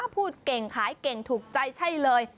พูดเก่งขายเก่งถูกใจใช่เลย